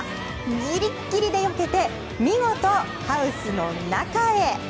ギリギリでよけて見事ハウスの中へ。